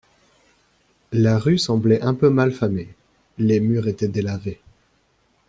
La rue semblait un peu mal famée, les murs étaient délavés.